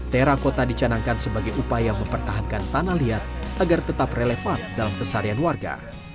terakota dicanangkan sebagai upaya mempertahankan tanah liat agar tetap relevan dalam kesarian warga